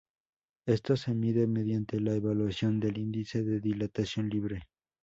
Esto se mide mediante la evaluación del Índice de Dilatación Libre.